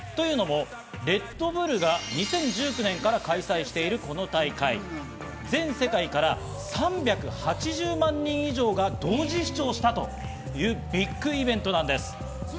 というのも、ＲｅｄＢｕｌｌが２０１９年から開催しているこの大会、全世界から３８０万人以上が同時視聴したというビッグイベントなんです。